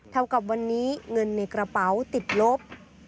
เท่ากับวันนี้เงินในกระเป๋าติดลบ